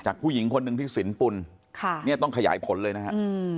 จากผู้หญิงคนนึงที่ศีลปุ่นเนี่ยต้องขยายผลเลยนะคะ